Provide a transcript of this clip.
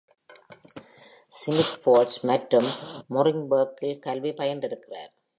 Smiths Falls மற்றும் Morrisburg-இல் கல்வி பயின்றிருக்கிறார்.